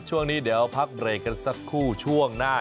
ช่วงนี้เดี๋ยวพักเบรกกันสักครู่ช่วงหน้า